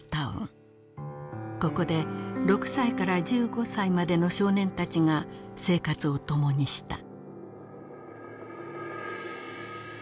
ここで６歳から１５歳までの少年たちが生活を共にした。